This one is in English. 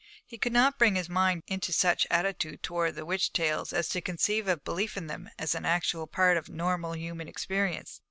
He could not bring his mind into such attitude towards the witch tales as to conceive of belief in them as an actual part of normal human experience.